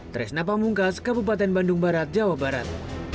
tresna pamungkas kabupaten bandung barat jawa barat